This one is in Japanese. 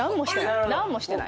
何もしてない」